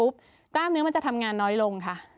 กล้ามเนื้อมันจะทำงานน้อยลงค่ะ